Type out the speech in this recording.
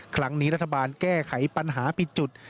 ครั้งนี้รัฐบาลแก้ไขปัญหาปิดจุด